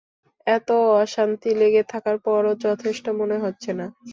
এতো অশান্তি লেগে থাকার পরও যথেষ্ট মনে হচ্ছে না?